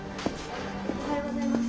おはようございます。